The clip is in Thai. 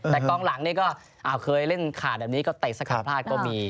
แต่กองหลังนี่ก็เคยเล่นขาดแบบนี้ก็เตะสกัดพลาดก็มี